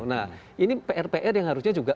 nah ini pr pr yang harusnya juga